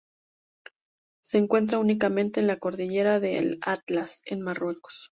Se encuentra únicamente en la cordillera del Atlas, en Marruecos.